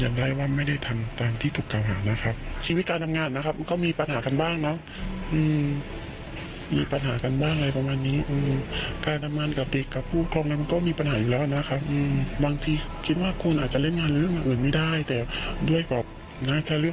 แกล้งเราอะไรแบบนี้ครับให้แบบว่าผู้พูดคลองเข้าใจครู